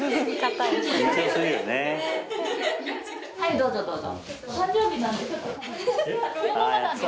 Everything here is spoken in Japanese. はいどうぞどうぞ。